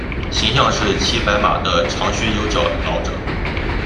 形象是骑白马的长须有角老者。